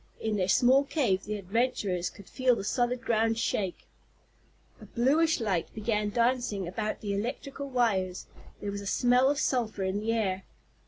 In their small cave the adventurers could feel the solid ground shake. A bluish light began dancing about the electrical wires. There was a smell of sulphur in the air.